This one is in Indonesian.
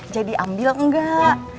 jadi ambil enggak